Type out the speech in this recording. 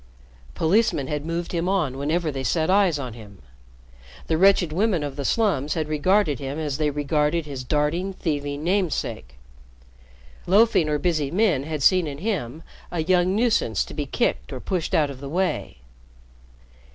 Policemen had moved him on whenever they set eyes on him, the wretched women of the slums had regarded him as they regarded his darting, thieving namesake; loafing or busy men had seen in him a young nuisance to be kicked or pushed out of the way.